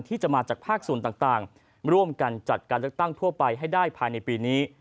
ที่จะมาจากภาคส่วนต่างร่วมกันจัดการเลือกตั้งทั่วไปให้ได้ภายในปีนี้